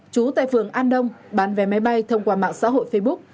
trú tại phường an đông bán vé máy bay thông qua mạng xã hội facebook